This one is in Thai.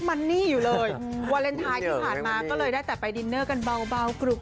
ไม่ต้องเป็นสาวเทคนิค